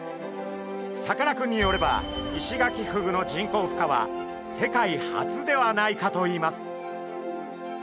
さかなクンによればイシガキフグの人工ふ化は世界初ではないかといいます。